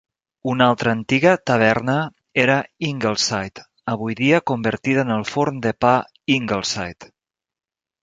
Una altra antiga taverna era Ingleside, avui dia convertida en el forn de pa Ingleside.